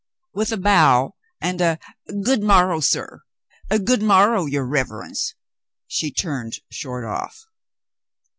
With a bow and a "Good morrow, sir. Good morrow, your reverence," she turned short off.